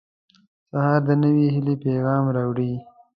• سهار د نوې هیلې پیغام راوړي.